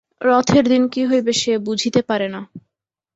রথের দিন কী হইবে সে বুঝিতে পারে না।